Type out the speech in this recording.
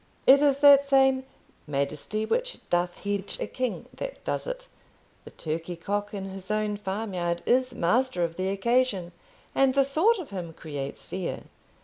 It is that same "majesty which doth hedge a king" that does it. The turkey cock in his own farmyard is master of the occasion, and the thought of him creates fear.